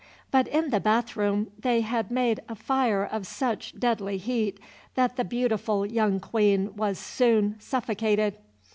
But in the bath room they had made a fire of such deadly heat that the beautiful young Queen was soon suffocated.